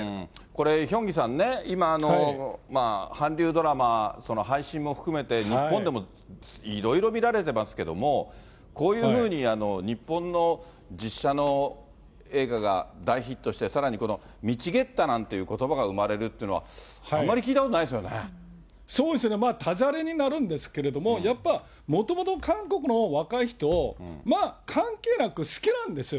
これ、ヒョンギさんね、今、韓流ドラマ、配信も含めて、日本でもいろいろ見られてますけども、こういうふうに日本の実写の映画が大ヒットして、さらにこのミチゲッタなんてことばが生まれるってのは、そうですね、まあだじゃれになるんですけども、やっぱ、もともと韓国の若い人、関係なく好きなんですよ、